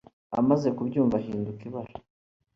Amaze kubyumva ahinduka ibara